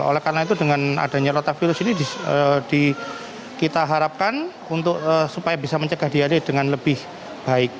oleh karena itu dengan adanya rotavirus ini kita harapkan supaya bisa mencegah diare dengan lebih baik